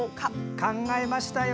考えましたよ